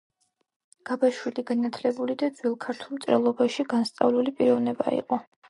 გაბაშვილი განათლებული და ძველ ქართულ მწერლობაში განსწავლული პიროვნება იყო.